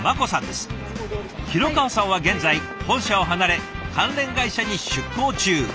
廣川さんは現在本社を離れ関連会社に出向中。